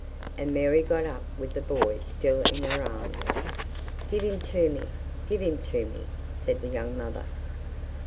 and Mary got up with the boy still in her arms. 'Give him to me give him to me,' said the young mother.